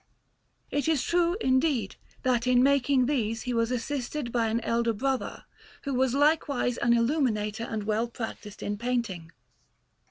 It is true, indeed, that in making these he was assisted by an elder brother, who was likewise an illuminator and well practised in painting.